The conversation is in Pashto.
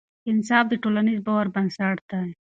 انصاف د ټولنیز باور بنسټ دی